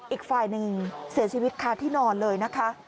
อีกฝ่ายหนึ่งเสียชีวิตคาที่นอนเลยนะคะ